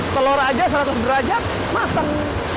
telur aja seratus derajat matang